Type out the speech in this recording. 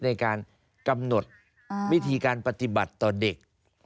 ในการกำหนดวิธีการปฏิบัติต่อเด็ก